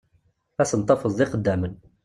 Ad ten-tafeḍ d ixeddamen.